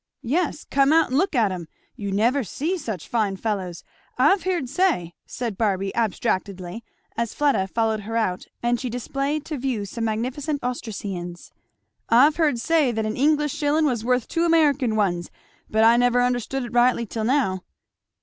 "Yes come out and look at 'em you never see such fine fellows. I've heerd say," said Barby abstractedly as Fleda followed her out and she displayed to view some magnificent Ostraceans, "I've heerd say that an English shilling was worth two American ones, but I never understood it rightly till now."